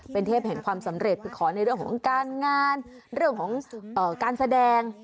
เป็นเทพแห่งความสำเร็จคือขอในเรื่องของการงานเรื่องของการแสดง